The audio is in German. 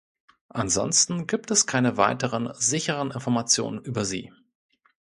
Ansonsten gibt es keine weiteren sicheren Informationen über sie.